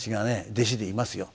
弟子でいますよ。